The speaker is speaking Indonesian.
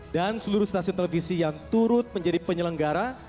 dan seluruh stasiun televisi yang turut menjadi penyelenggara